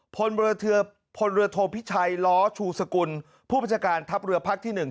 พลเรือพลเรือโทพิชัยล้อชูสกุลผู้บัจจาการทัพเรือพักที่หนึ่ง